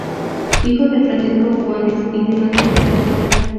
Hijo de Francisco Guanes y de Matilde Recalde.